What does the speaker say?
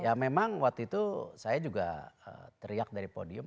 ya memang waktu itu saya juga teriak dari podium